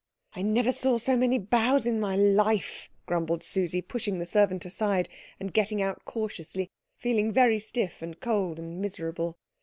"I never saw so many bows in my life," grumbled Susie, pushing the servant aside, and getting out cautiously, feeling very stiff and cold and miserable.